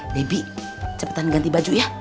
baby cepetan ganti baju ya